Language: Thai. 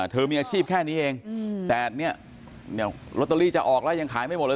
เธอมีอาชีพแค่นี้เองมีล็อตเตอรี่ออกแล้วอาการยังขายไม่หมดเลย